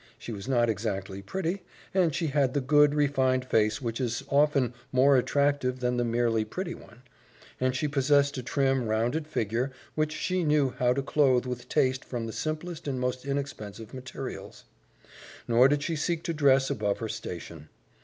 She was not exactly pretty, but she had the good, refined face which is often more attractive than the merely pretty one, and she possessed a trim, rounded figure which she knew how to clothe with taste from the simplest and most inexpensive materials. Nor did she seek to dress above her station.